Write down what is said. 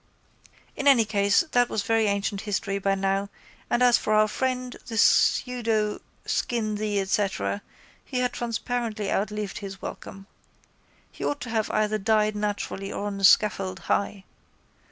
In any case that was very ancient history by now and as for our friend, the pseudo Skin the etcetera, he had transparently outlived his welcome. He ought to have either died naturally or on the scaffold high.